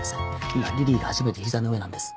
今リリイが初めて膝の上なんです。